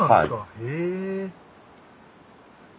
へえ。